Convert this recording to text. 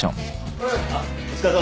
お疲れさまです。